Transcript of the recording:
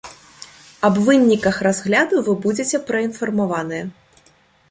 Аб выніках разгляду вы будзеце праінфармаваныя.